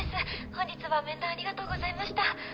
本日は面談ありがとうございました。